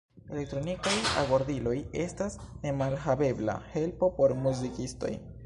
Elektronikaj agordiloj estas nemalhavebla helpo por muzikistoj.